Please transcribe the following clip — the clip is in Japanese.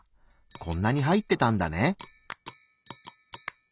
こんなに入ってたんだね。